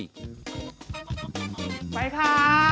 สวัสดีค่ะ